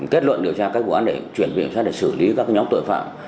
kết luận điều tra các vụ án để chuyển viện xác để xử lý các nhóm tội phạm